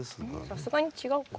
さすがに違うか。